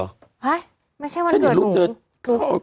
ฮะไม่ใช่วันเกิดเหรอ